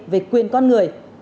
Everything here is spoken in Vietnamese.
về quyền con người